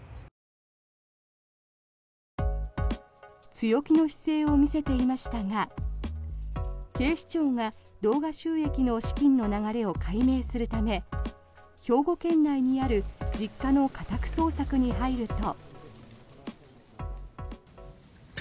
強気の姿勢を見せていましたが警視庁が動画収益の資金の流れを解明するため兵庫県内にある実家の家宅捜索に入ると。